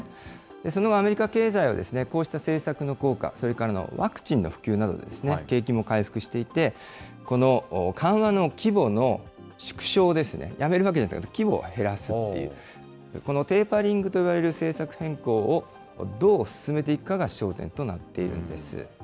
そのアメリカ経済はこうした政策の効果、それから、ワクチンの普及など、景気も回復していて、この緩和の規模の縮小ですね、やめるわけではなく規模を減らすという、このテーパリングと呼ばれる政策変更をどう進めていくかが焦点となっているんです。